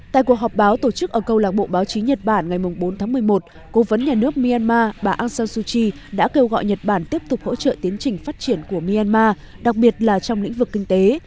tại cuộc họp báo tổ chức ở câu lạc bộ báo chí nhật bản ngày bốn tháng một mươi một cố vấn nhà nước myanmar bà asan suu kyi đã kêu gọi nhật bản tiếp tục hỗ trợ tiến trình phát triển của myanmar đặc biệt là trong lĩnh vực kinh tế